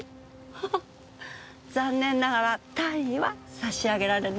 ハハ残念ながら単位は差し上げられないわ。